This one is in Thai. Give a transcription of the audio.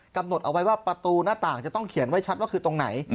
กำหนดเอาไว้ว่าประตูหน้าต่างจะต้องเขียนไว้ชัดว่าคือตรงไหน